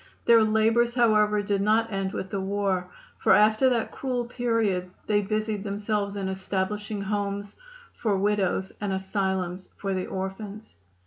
Their labors, however, did not end with the war, for after that cruel period they busied themselves in establishing homes for widows and asylums for the orphans.